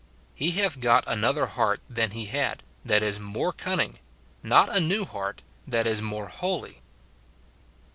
He hath got another heart than he had, that is more cunning ; not a new heart, that is more holy.